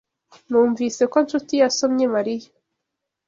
Numvise ko Nshuti yasomye Mariya.